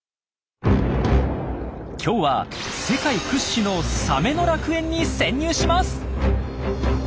今日は世界屈指のサメの楽園に潜入します！